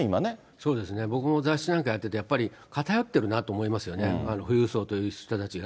そうですね、僕も雑誌なんかやってて、やっぱり、偏ってるなと思いますよね、富裕層という人たちが。